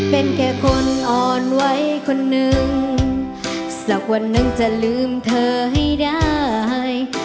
เป็นแค่คนอ่อนไว้คนนึงสักวันหนึ่งจะลืมเธอให้ได้